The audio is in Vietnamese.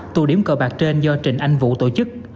tụ điểm cờ bạc trên do trình anh vũ tổ chức